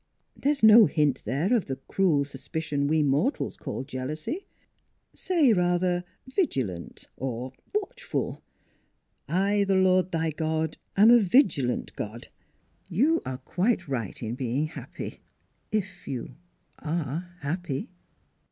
There is no hint there of the cruel suspicion we mortals call jealousy. Say rather 4 vigilant ' or * watchful.' ' I, the Lord thy God, am a vigilant God.' ... You are quite right in being happy if you are happy."